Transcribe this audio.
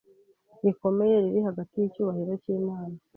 rikomeye riri hagati y’icyubahiro cy’Imana